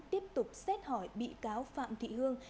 tiếp tục xét hỏi bị cáo phạm thị hương